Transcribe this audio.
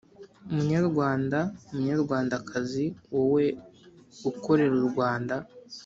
munyarwanda, munyarwandakazi wowe ukorera u rwanda